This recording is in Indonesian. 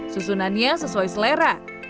susunannya sesuai selera